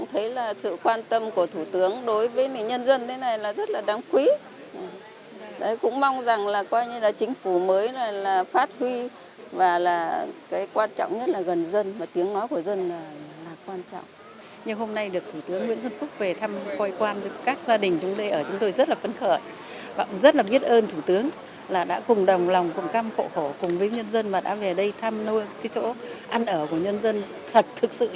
hậu khổ cùng với nhân dân mà đã về đây thăm nôi cái chỗ ăn ở của nhân dân thật thực sự như thế nào này thì chúng tôi thay mặt cho cư dân của khu đô thị nhà ở xã rất là cảm ơn thủ tướng và chúc thủ tướng mạnh khỏe gia đình hạnh phúc